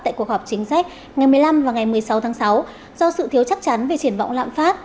tại cuộc họp chính sách ngày một mươi năm và ngày một mươi sáu tháng sáu do sự thiếu chắc chắn về triển vọng lạm phát